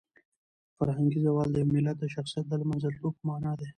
فرهنګي زوال د یو ملت د شخصیت د لمنځه تلو په مانا دی.